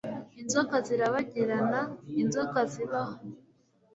inzoka zirabagirana inzoka zibaho